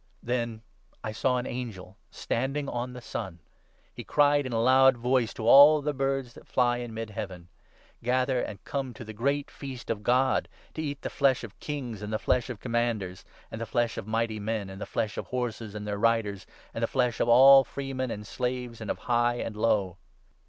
Then I saw an angel standing on the sun. He cried in a 17 loud voice to all the birds that fly in mid heaven —' Gather and come to the great feast of God, to eat the flesh of kings, 18 and the flesh of commanders, and the flesh of mighty men, and the flesh of horses and their riders, and the flesh of all freemen and slaves, and of high and low.'